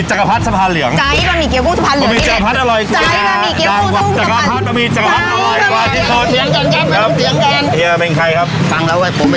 อ้าวสวัสดีครับอ้าวสวัสดีครับค่ะ